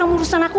sama urusan aku